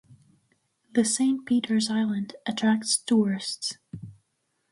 The Saint Peter's Island attracts tourists.